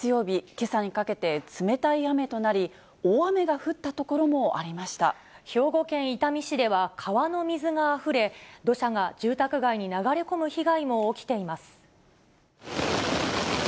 けさにかけて冷たい雨となり、兵庫県伊丹市では、川の水があふれ、土砂が住宅街に流れ込む被害も起きています。